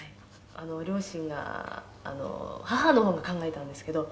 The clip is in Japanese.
「両親があの母の方が考えたんですけど」